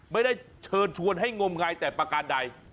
ไม่ได้เชิญชวนให้งมงายแต่ประการใด